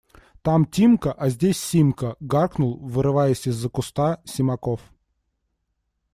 – Там Тимка, а здесь Симка! – гаркнул, вырываясь из-за куста, Симаков.